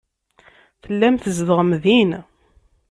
Tellam tzedɣem din.